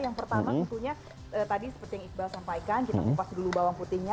yang pertama tentunya tadi seperti yang iqbal sampaikan kita kupas dulu bawang putihnya